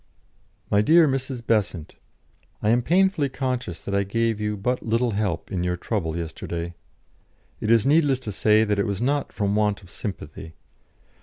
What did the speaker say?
"My Dear Mrs. Besant, I am painfully conscious that I gave you but little help in your trouble yesterday. It is needless to say that it was not from want of sympathy.